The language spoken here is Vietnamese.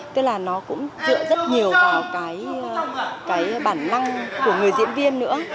tức là nó cũng dựa rất nhiều vào cái bản năng của người diễn viên nữa